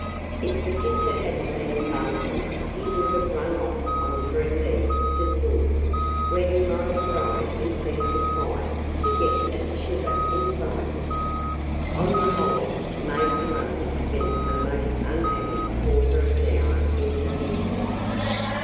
If the pitcher hadn't been fastened he would have run off on three legs, to the woods, where he might have tried in peace and quiet to get at the sugar inside it. On the whole, Major Monkey spent a most unhappy quarter of an hour in the henhouse.